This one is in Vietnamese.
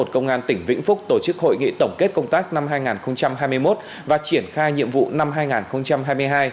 công an tỉnh vĩnh phúc tổ chức hội nghị tổng kết công tác năm hai nghìn hai mươi một và triển khai nhiệm vụ năm hai nghìn hai mươi hai